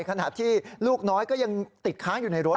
ขณะที่ลูกน้อยก็ยังติดค้างอยู่ในรถ